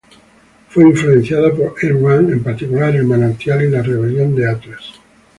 Fue influenciada por Ayn Rand, en particular "El Manantial" y "La Rebelión de Atlas".